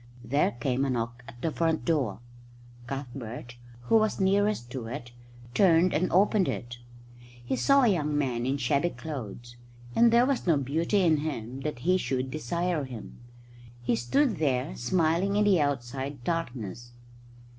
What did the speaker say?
There came a knock at the front door. Cuthbert, who was nearest to it, turned and opened it. He saw a young man in shabby clothes, and there was no beauty in him that he should desire him. He stood there smiling in the outside darkness.